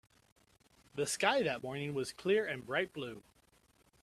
The sky that morning was clear and bright blue.